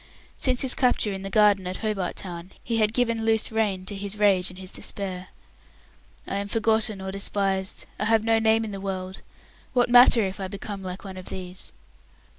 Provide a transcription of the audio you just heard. Since his capture in the garden of Hobart Town, he had given loose rein to his rage and his despair. "I am forgotten or despised; I have no name in the world; what matter if I become like one of these?"